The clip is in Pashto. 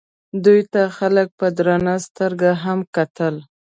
دوی ته خلکو په درنه سترګه هم کتل.